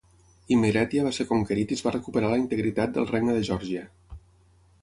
Imerètia va ser conquerit i es va recuperar la integritat del Regne de Geòrgia.